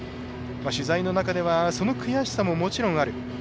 取材の中ではその悔しさもある。